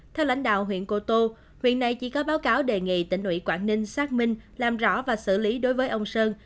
theo lãnh đạo huyện cô tô huyện này chỉ có báo cáo đề nghị tỉnh ủy quảng ninh xác minh làm rõ và xử lý đối với ông sơn